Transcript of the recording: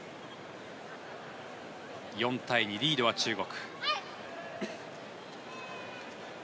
４対２、リードは中国。